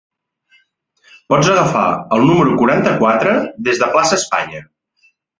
Pots agafar el número quaranta-quatre, des de plaça Espanya.